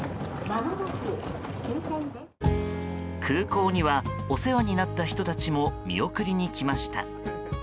空港にはお世話になった人たちも見送りに来ました。